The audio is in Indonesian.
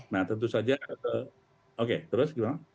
nah tentu saja oke terus gimana